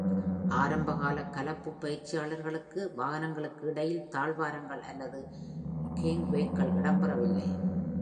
ஆரம்பகால கலப்பு பயிற்சியாளர்களுக்கு வாகனங்களுக்கு இடையில் தாழ்வாரங்கள் அல்லது கேங்வேக்கள் இடம்பெறவில்லை.